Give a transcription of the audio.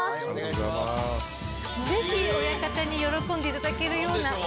ぜひ親方に喜んでいただけるような。